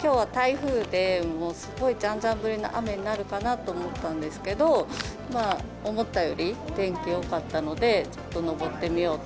きょうは台風で、すごいざーざー降りの雨になるかなと思ったんですけど、思ったより天気よかったので、ちょっと上ってみようと。